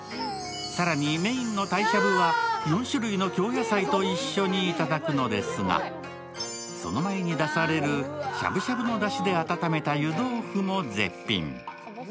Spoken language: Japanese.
更にメインの鯛しゃぶは京野菜と一緒にいただくのですがその前に出されるしゃぶしゃぶのだしで温めた湯豆腐も絶品。